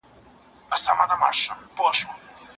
او یا منفی نظر ورکړي.